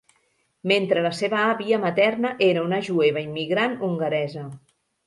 Mentre la seva àvia materna era una jueva immigrant hongaresa.